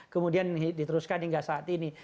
kemudian diteruskan hingga saat ini